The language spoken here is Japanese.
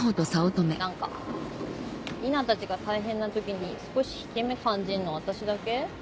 何か里奈たちが大変な時に少し引け目感じんの私だけ？